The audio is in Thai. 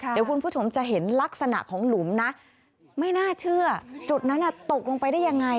เดี๋ยวคุณผู้ชมจะเห็นลักษณะของหลุมนะไม่น่าเชื่อจุดนั้นตกลงไปได้ยังไง